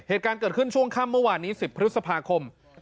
เหตุการณ์เกิดขึ้นช่วงค่ำเมื่อวานนี้๑๐พฤษภาคม